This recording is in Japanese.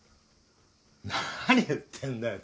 何言ってんだよ？